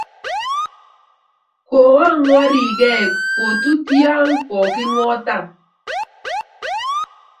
Koang'weri gei kotut ya koking'otan